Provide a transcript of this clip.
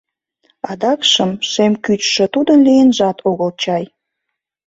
Адакшым шем кӱчшӧ тудын лийынжат огыл чай.